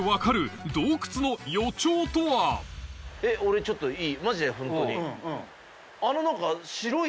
俺ちょっといい？